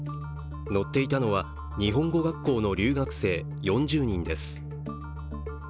乗っていたのは日本語学校の留学生４０人です。